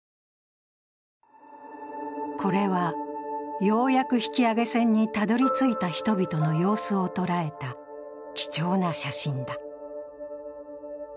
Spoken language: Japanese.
これは、ようやく引揚船にたどり着いた人々の様子を捉えた貴重な写真だ。